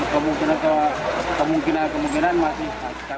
kami kemungkinan kemungkinan masih